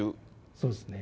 そうですね。